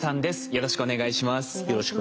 よろしくお願いします。